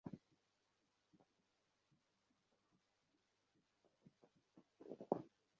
ইংরেজী যাহাদের মাতৃভাষা, তাহাদের মতই তিনি ইংরেজী বলিতে পারেন।